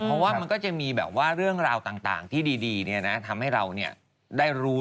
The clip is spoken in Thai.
เพราะว่ามันก็จะมีแบบว่าเรื่องราวต่างที่ดีทำให้เราได้รู้